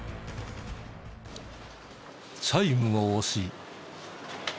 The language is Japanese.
チャイムを押し。